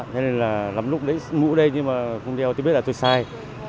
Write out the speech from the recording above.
nên là lắm lúc để mũ đây nhưng mà không đeo thì tôi biết là tôi sai